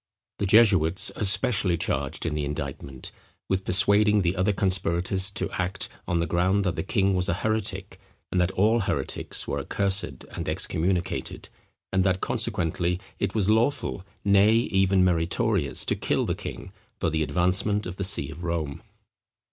The jesuits are specially charged in the indictment with persuading the other conspirators to act, on the ground that the king was a heretic, and that all heretics were accursed and excommunicated; and that, consequently, it was lawful, nay even meritorious, to kill the king, for the advancement of the see of Rome.